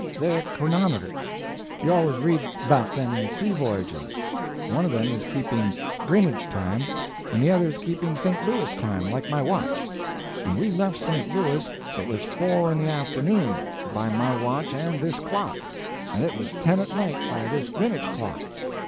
They're chronometers. You always read about them in sea voyages. One of them is keeping Grinnage time, and the other is keeping St. Louis time, like my watch. When we left St. Louis it was four in the afternoon by my watch and this clock, and it was ten at night by this Grinnage clock.